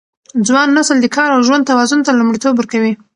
ځوان نسل د کار او ژوند توازن ته لومړیتوب ورکوي.